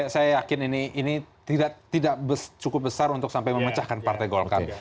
saya yakin ini tidak cukup besar untuk sampai memecahkan partai golkar